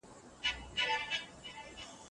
دوی به له ډېر وخت راهيسي د وطن خدمت کړی وي.